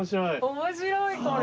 面白いこれ。